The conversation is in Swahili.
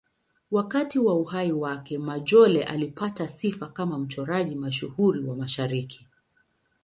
Wakati wa uhai wake, Majolle alipata sifa kama mchoraji mashuhuri wa Mashariki.